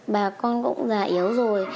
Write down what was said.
bà con cũng già yếu rồi